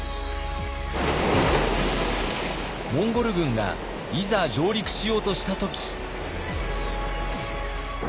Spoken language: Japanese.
モンゴル軍がいざ上陸しようとした時。